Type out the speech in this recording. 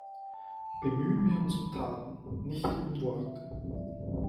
Bemühen wir uns um Taten, nicht um Worte.